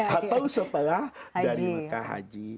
atau setelah dari mekah haji